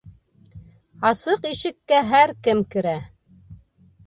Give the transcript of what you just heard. Асыҡ ишеккә һәр кем керә.